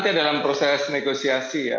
itu nanti dalam proses negosiasi ya